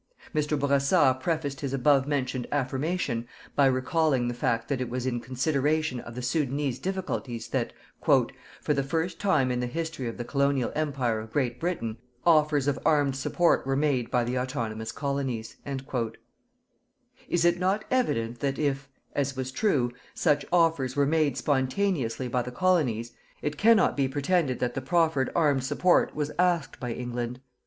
Mr. Bourassa prefaced his above mentioned affirmation by recalling the fact that it was in consideration of the Soudanese difficulties that "_for the first time in the history of the Colonial Empire of Great Britain, offers of armed support were made by the autonomous colonies_." Is it not evident that if as was true such offers were made spontaneously by the Colonies, it cannot be pretended that the proffered armed support was asked by England.